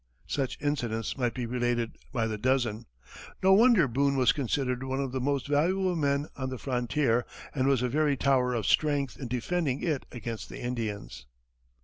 Such incidents might be related by the dozen. No wonder Boone was considered one of the most valuable men on the frontier, and was a very tower of strength in defending it against the Indians.